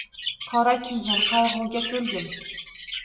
Qora kiygin, qayg‘uga to‘lgin.